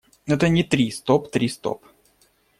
Это не «три – стоп», «три – стоп».